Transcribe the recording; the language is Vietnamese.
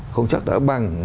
không chắc đã bắt đầu